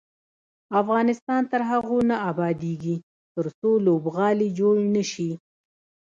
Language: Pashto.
افغانستان تر هغو نه ابادیږي، ترڅو لوبغالي جوړ نشي.